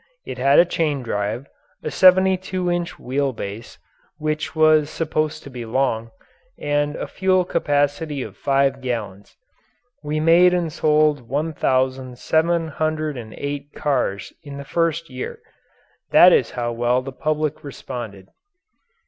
It had a chain drive, a seventy two inch wheel base which was supposed to be long and a fuel capacity of five gallons. We made and sold 1,708 cars in the first year. That is how well the public responded.